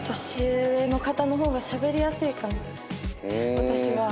私は。